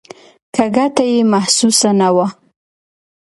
که ګټه یې محسوسه نه وه.